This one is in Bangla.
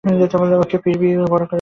ওকে, পিবি, বড়ো কিছু ভাবো!